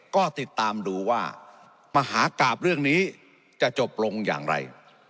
ก็ติดตามดูว่ามหากราบเรื่องนี้จะจบลงอย่างไร